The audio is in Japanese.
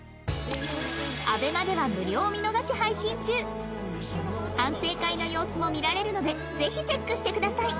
ＡＢＥＭＡ では無料見逃し配信中反省会の様子も見られるのでぜひチェックしてください